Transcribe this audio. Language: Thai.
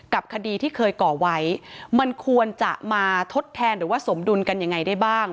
คดีที่เคยก่อไว้มันควรจะมาทดแทนหรือว่าสมดุลกันยังไงได้บ้าง